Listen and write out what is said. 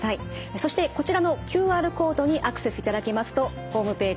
そしてこちらのＱＲコードにアクセスいただきますとホームページ